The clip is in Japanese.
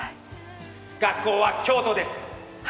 学校は京都です。